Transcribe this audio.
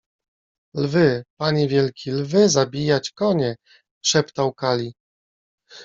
— Lwy, panie wielki! lwy zabijać konie! — szeptał Kali.